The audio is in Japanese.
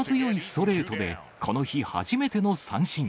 力強いストレートでこの日初めての三振。